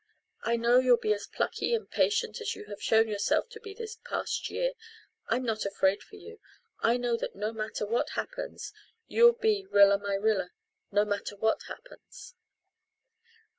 I know you'll be as plucky and patient as you have shown yourself to be this past year I'm not afraid for you. I know that no matter what happens, you'll be Rilla my Rilla no matter what happens."